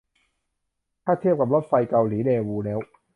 ถ้าเทียบกับรถไฟเกาหลีแดวูแล้ว